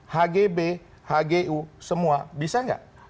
hgb hgu semua bisa nggak